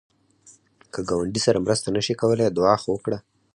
که ګاونډي سره مرسته نشې کولای، دعا خو وکړه